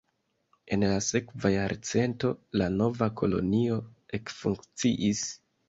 En la sekva jarcento la nova kolonio ekfunkciis.